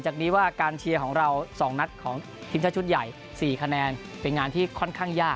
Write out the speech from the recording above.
จากนี้ว่าการเชียร์ของเรา๒นัดของทีมชาติชุดใหญ่๔คะแนนเป็นงานที่ค่อนข้างยาก